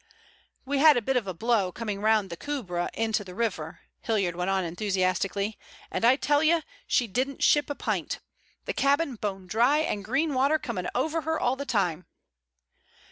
"We had a bit of a blow coming round the Coubre into the river," Hilliard went on enthusiastically, "and I tell you she didn't ship a pint. The cabin bone dry, and green water coming over her all the time."